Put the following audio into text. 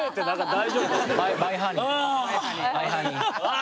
・あ。